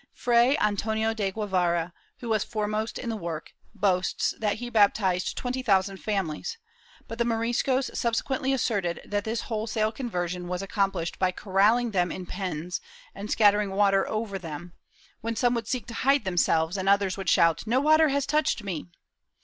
Fray Antonio de Guevara, who was foremost in the work, boasts that he baptized twenty thousand families, but the Moriscos subse quently asserted that this wholesale conversion was accomphshed by corraling them in pens and scattering water over them, when some would seek to hide themselves and others would shout "No water has touched me!"